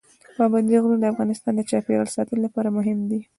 پابندي غرونه د افغانستان د چاپیریال ساتنې لپاره مهم دي.